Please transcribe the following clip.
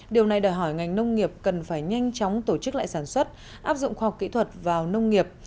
điều này đòi hỏi ngành nông nghiệp cần phải nhanh chóng tổ chức lại sản xuất áp dụng khoa học kỹ thuật vào nông nghiệp